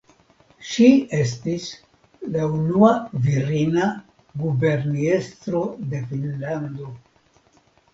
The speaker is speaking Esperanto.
Ŝi estis la unua virina guberniestro de Finnlando.